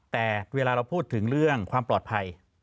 แต่เวลาเราพูดถึงเรื่องความปลอดภัย